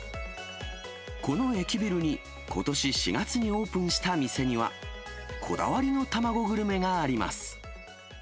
この駅ビルに、ことし４月にオープンした店には、こだわりの卵グルメがあります。